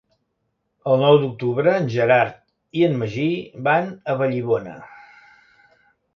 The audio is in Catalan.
El nou d'octubre en Gerard i en Magí van a Vallibona.